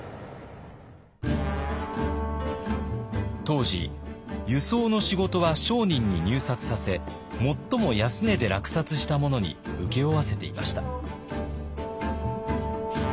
当時輸送の仕事は商人に入札させ最も安値で落札した者に請け負わせていました。